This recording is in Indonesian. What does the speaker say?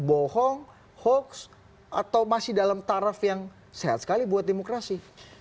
bohong hoax atau masih dalam taraf yang sehat sekali buat demokrasi